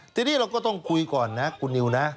ทีนี้เราก็ต้องคุยก่อนนะคุณนิวนะ